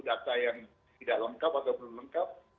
data yang tidak lengkap atau belum lengkap